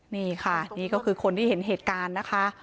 นี่ค่ะนี่ก็คือคนที่เห็นเหตุการณ์นะคะ